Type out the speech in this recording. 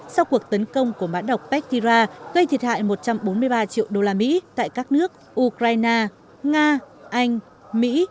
sau cuộc tấn công của mã độc pektyra gây thiệt hại một trăm bốn mươi ba triệu usd tại các nước ukraine nga anh mỹ